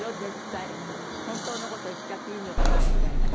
本当の事言っちゃっていいのかなみたいな。